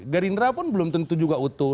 gerindra pun belum tentu juga utuh